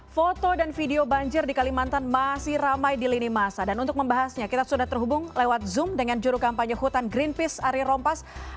foto dan video banjir di kalimantan masih ramai di lini masa dan untuk membahasnya kita sudah terhubung lewat zoom dengan juru kampanye hutan greenpeace ari rompas